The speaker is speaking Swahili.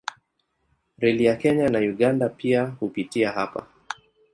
Reli ya Kenya na Uganda pia hupitia hapa.